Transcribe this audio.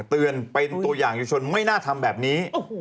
เตือนเป็นตัวอย่างยุชนไม่น่าทำแบบนี้